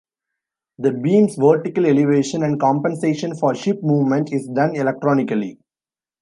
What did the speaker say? The beams' vertical elevation, and compensation for ship movement, is done electronically.